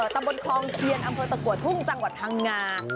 ตำบลคลองเคียนอำเภอตะกัวทุ่งจังหวัดพังงา